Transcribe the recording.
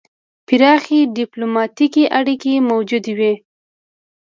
پراخې ډیپلوماتیکې اړیکې موجودې وې.